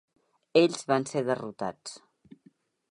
Ells van ser derrotats.